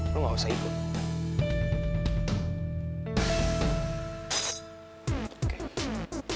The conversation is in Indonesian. lo gak usah ikut